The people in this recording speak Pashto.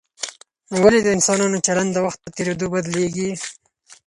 ولي د انسانانو چلند د وخت په تېرېدو بدلیږي؟